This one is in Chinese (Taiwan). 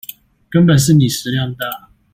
根本是你食量大